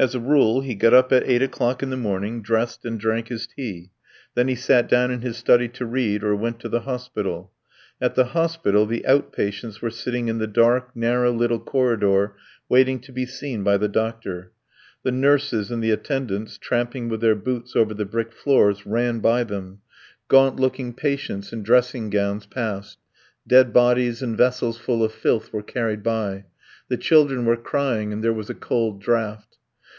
As a rule he got up at eight o'clock in the morning, dressed, and drank his tea. Then he sat down in his study to read, or went to the hospital. At the hospital the out patients were sitting in the dark, narrow little corridor waiting to be seen by the doctor. The nurses and the attendants, tramping with their boots over the brick floors, ran by them; gaunt looking patients in dressing gowns passed; dead bodies and vessels full of filth were carried by; the children were crying, and there was a cold draught.